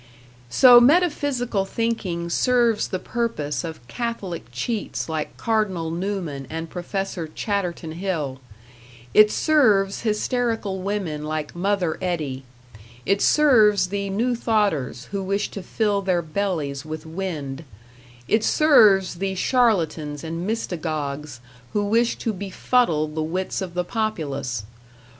So metaphysical thinking serves the purpose of Catholic cheats like Cardinal Newman and Professor Chatterton Hill; it serves hysterical women like "Mother" Eddy; it serves the New thoughters, who wish to fill their bellies with wind; it serves the charlatans and mystagogs who wish to befuddle the wits of the populace.